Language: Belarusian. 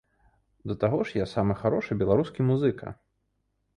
Да таго ж я самы харошы беларускі музыка!